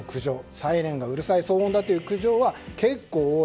サイレンがうるさい騒音だという苦情は結構多い。